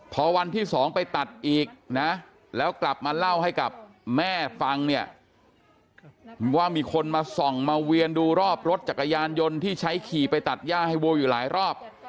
พอวันที่๒ไปตัดอีกนะแล้วกลับมาเล่าให้กับแม่ฟังเนี่ยว่ามีคนมาส่องมาเวียนดูรอบรถจักรยานยนต์ที่ใช้ขี่ไปตัดย่าให้วัวอยู่หลายรอบ